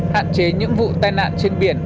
hạn chế những vụ tai nạn trên biển